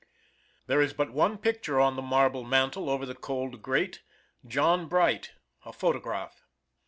There is but one picture on the marble mantel over the cold grate John Bright, a photograph.